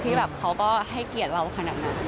แบบเขาก็ให้เกียรติเราขนาดนั้น